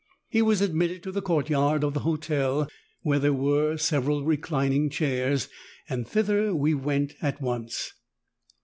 He was admitted to the courtyard of the hotel, where there were several reclining chairs, and thither we went at once.